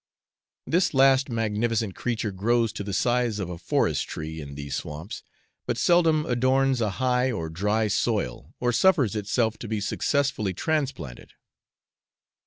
This last magnificent creature grows to the size of a forest tree in these swamps, but seldom adorns a high or dry soil, or suffers itself to be successfully transplanted.